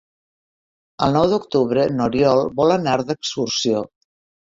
El nou d'octubre n'Oriol vol anar d'excursió.